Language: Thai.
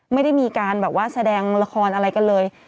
ไม่ได้มีการแบบว่าแสดงละครอะไรกันเลย